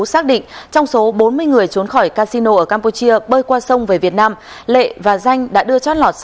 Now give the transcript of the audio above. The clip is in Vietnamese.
xác định trong số bốn mươi người trốn khỏi casino ở campuchia bơi qua sông về việt nam lệ và danh đã đưa chót lọt